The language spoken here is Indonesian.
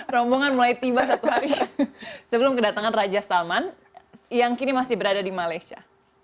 rombongan mulai tiba satu hari sebelum kedatangan raja salman yang kini masih berada di malaysia